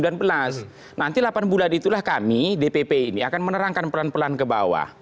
nanti delapan bulan itulah kami dpp ini akan menerangkan pelan pelan ke bawah